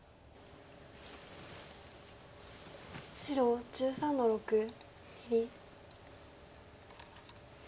白１３の六切り。